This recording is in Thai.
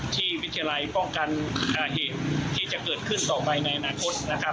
วิทยาลัยป้องกันเหตุที่จะเกิดขึ้นต่อไปในอนาคตนะครับ